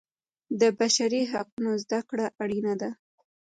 د بشري حقونو زده کړه اړینه ده.